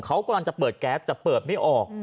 เขากำลังจะเปิดแก๊สแต่เปิดไม่ออก